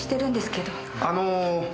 あの。